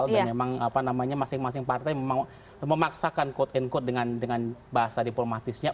dan memang apa namanya masing masing partai memang memaksakan kode kode dengan bahasa diplomatisnya